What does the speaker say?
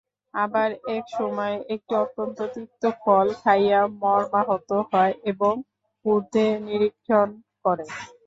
আবার একসময়ে একটি অত্যন্ত তিক্ত ফল খাইয়া মর্মাহত হয় এবং ঊর্ধ্বে নিরীক্ষণ করে।